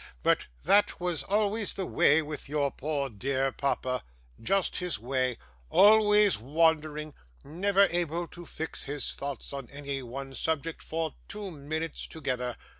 But that was always the way with your poor dear papa, just his way always wandering, never able to fix his thoughts on any one subject for two minutes together.